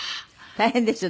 大変ですよ